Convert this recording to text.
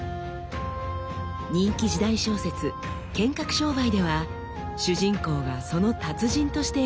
人気時代小説「剣客商売」では主人公がその達人として描かれています。